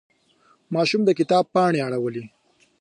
ماشوم د کتاب پاڼې اړولې.